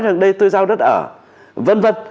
rằng đây tôi giao đất ở vân vân